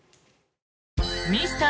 ミスター